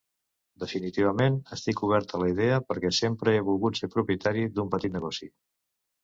Definitivament, estic obert a la idea perquè sempre he volgut ser propietari d'un petit negoci.